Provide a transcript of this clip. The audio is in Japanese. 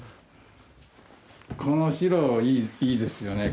この白いいですよね。